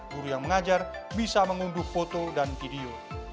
guru yang mengajar bisa mengunduh foto dan video